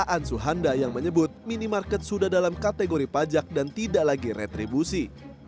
ansuhanda yang menyebut minimarket sudah dalam kategori pajak dan tidak lagi retribusi